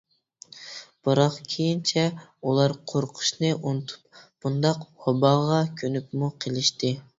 بىراق كېيىنچە ئۇلار قورقۇشنى ئۇنتۇپ بۇنداق ۋاباغا كۆنۈپمۇ قېلىشتى.